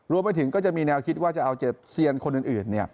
รวมไปถึงก็จะมีแนวคิดว่าจะเอา๗เซียนคนอื่น